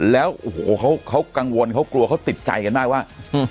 แล้วโอ้โหเขากังวลเขากลัวเขาติดใจกันมากว่า